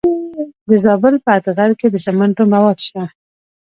د زابل په اتغر کې د سمنټو مواد شته.